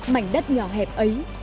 mảnh đất nhỏ hẹp ấy